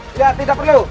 tidak tidak perlu